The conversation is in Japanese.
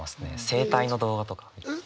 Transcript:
整体の動画とか。